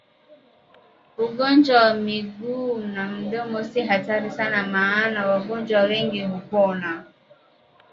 Ugonjwa wa miguu na mdomo si hatari sana maana wagonjwa wengi hupona